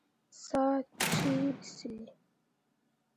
سا چې سي